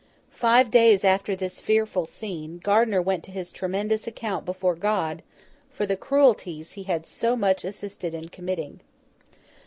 Five days after this fearful scene, Gardiner went to his tremendous account before God, for the cruelties he had so much assisted in committing.